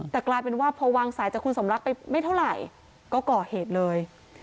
แต่กลายเป็นว่าพอวางสายจากคุณสมรักไปไม่เท่าไหร่ก็ก่อเหตุเลย